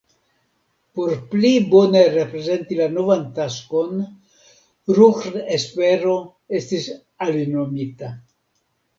Por pli bone reprezenti la novan taskon, Ruhr-Espero estis alinomita.